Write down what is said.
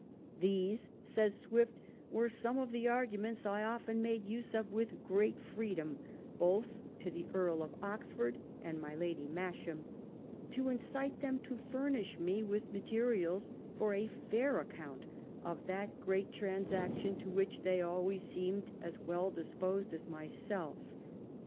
'' These," says Swift, " were some of the arguments I often made use of with great freedom, both to the Earl of Oxford and my Lady Masham, to incite them to furnish me with materials for a fair account of that great transac tion, to which they always seemed as well disposed as myself.